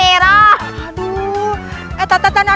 tidak tidak tidak tidak tidak